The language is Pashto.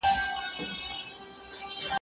مامور ورته وويل چې مهرباني وکړئ.